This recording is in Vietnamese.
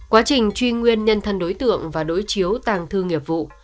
quá trình truy nguyên nhân thân đối tượng và đối chiếu tàng thư nghiệp vụ